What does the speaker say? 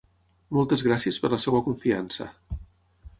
Moltes gràcies per la seva confiança.